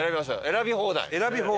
選び放題。